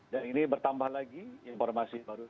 dan ini bertambah lagi informasi baru saja